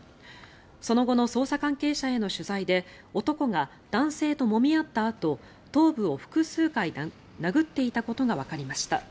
その後の捜査関係者への取材で男が男性ともみ合ったあと頭部を複数回殴っていたことがわかりました。